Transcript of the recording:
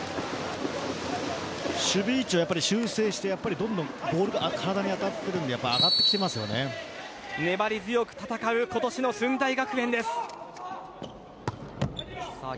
守備位置は修正してどんどんボールが体に当たっているので粘り強く戦う今年の駿台学園です。